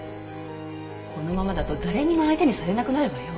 このままだと誰にも相手にされなくなるわよ。